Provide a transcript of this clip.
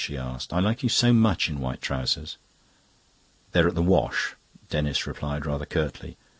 she asked. "I like you so much in white trousers." "They're at the wash," Denis replied rather curtly.